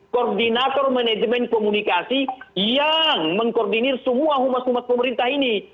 koordinator manajemen komunikasi yang mengkoordinir semua humas umat pemerintah ini